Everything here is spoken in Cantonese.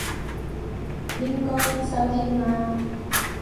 應該必修添啦